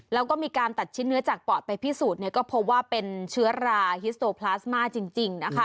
แล้วก็มีการตัดชิ้นเนื้อจากปอดไปพิสูจน์ก็พบว่าเป็นเชื้อราฮิสโตพลาสมาจริงนะคะ